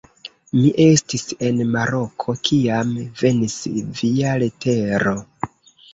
Mi estis en Maroko, kiam venis via letero.